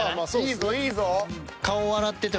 いいぞいいぞ。